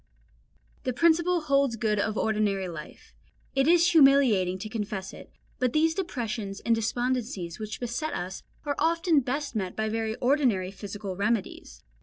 The principle holds good of ordinary life; it is humiliating to confess it, but these depressions and despondencies which beset us are often best met by very ordinary physical remedies.